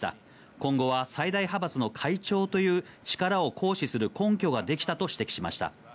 今後は最大派閥の会長という力を行使する根拠ができたと指摘しました。